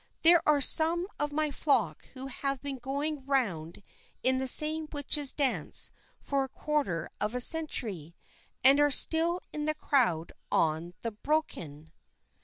There are some of my flock who have been going round in the same witches' dance for a quarter of a century, and are still in the crowd on the Brocken.